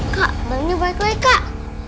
kak bangunya balik lagi kak